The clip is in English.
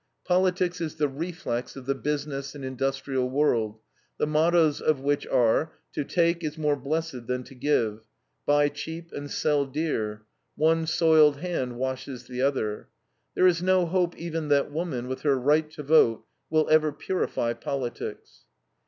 Politics is the reflex of the business and industrial world, the mottos of which are: "To take is more blessed than to give"; "buy cheap and sell dear"; "one soiled hand washes the other." There is no hope even that woman, with her right to vote, will ever purify politics.